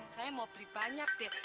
saya mau beli banyak deh